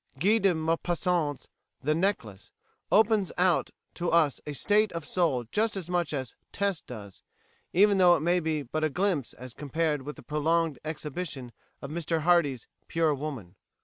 Guy de Maupassant's "The Necklace" opens out to us a state of soul just as much as "Tess" does, even though it may be but a glimpse as compared with the prolonged exhibition of Mr Hardy's "pure woman."